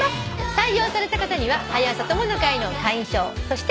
採用された方には「はや朝友の会」の会員証そして。